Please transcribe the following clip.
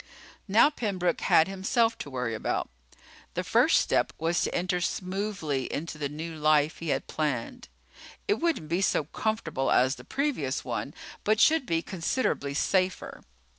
Now Pembroke had himself to worry about. The first step was to enter smoothly into the new life he had planned. It wouldn't be so comfortable as the previous one, but should be considerably safer.